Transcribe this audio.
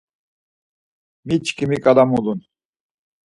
Mi çkim ǩala mulun?